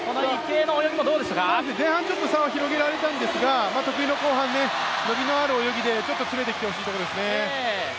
前半ちょっと差を広げられたんですが得意の後半伸びのある泳ぎで詰めてきてほしいところですね。